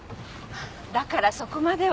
だからそこまでは。